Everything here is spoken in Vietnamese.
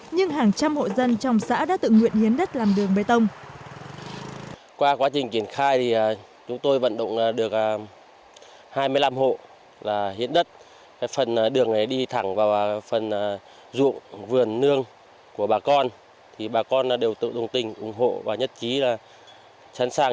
nhưng hàng trăm hộ dân trong xã đã tự nguyện hiến đất làm đường bê tông